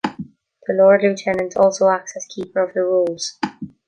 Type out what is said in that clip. The Lord Lieutenant also acts as Keeper of the Rolls.